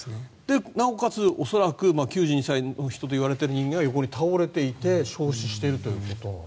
なおかつ、恐らく９２歳といわれている人間が横に倒れていて焼死しているということ。